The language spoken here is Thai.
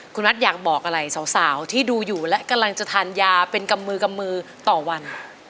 คุณมัดอยากบอกอะไรสาวที่ดูอยู่และกำลังจะทานยาเป็นกำมือกำมือต่อวัน